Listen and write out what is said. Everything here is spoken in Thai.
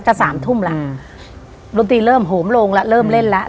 ก็สามทุ่มแล้วอืมดนตรีเริ่มโหมโลงแล้วเริ่มเล่นแล้ว